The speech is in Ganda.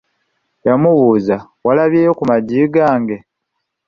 Yamubuuza, walabyeko ku maggi gange?